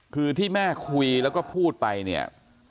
คือที่แม่คุยแล้วก็พูดไปเนี่ย